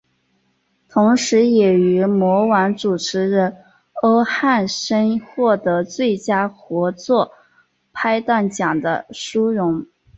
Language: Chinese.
同时也与模王主持人欧汉声获得最佳合作拍档奖的殊荣。